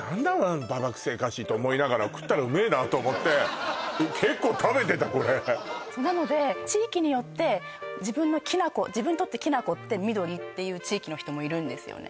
何かありますねと思って結構食べてたこれなので地域によって自分のきな粉自分にとってきな粉って緑っていう地域の人もいるんですよね